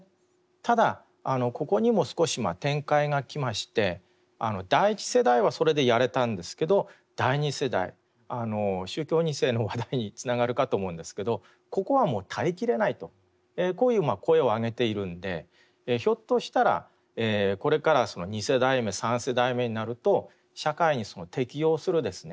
ただここにも少し展開がきまして第１世代はそれでやれたんですけど第２世代宗教２世の話題につながるかと思うんですけどここはもう耐えきれないとこういう声を上げているんでひょっとしたらこれから２世代目３世代目になると社会に適応するですね